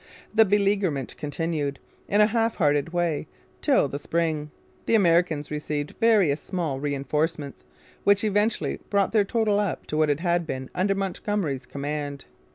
The beleaguerment continued, in a half hearted way, till the spring. The Americans received various small reinforcements, which eventually brought their total up to what it had been under Montgomery's command.